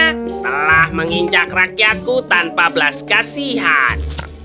kuda bodoh ini telah menginjak rakyatku tanpa belas kasihan